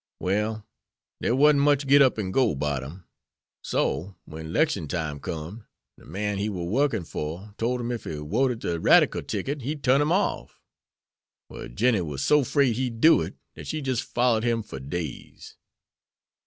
Well, dere warn't much git up an' go 'bout him. So, wen 'lection time com'd, de man he war workin' fer tole him ef he woted de radical ticket he'd turn him off. Well, Jinnie war so 'fraid he'd do it, dat she jis' follered him fer days."